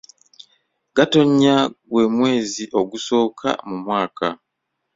Gatonnya gwe mwezi ogusooka mu mwaka.